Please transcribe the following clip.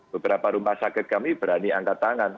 beberapa rumah sakit kami berani angkat tangan